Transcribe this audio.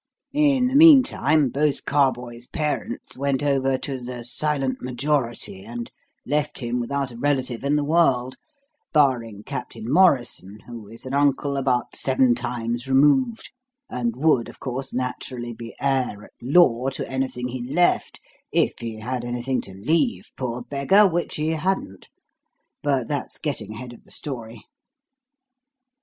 In the meantime both Carboys' parents went over to the silent majority, and left him without a relative in the world, barring Captain Morrison, who is an uncle about seven times removed and would, of course, naturally be heir at law to anything he left if he had anything to leave, poor beggar, which he hadn't. But that's getting ahead of the story.